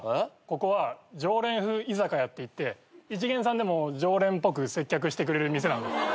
ここは常連風居酒屋っていっていちげんさんでも常連っぽく接客してくれる店。